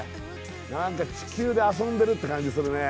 何か地球で遊んでるって感じするね